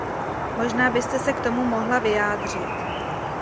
Možná byste se k tomu mohla vyjádřit.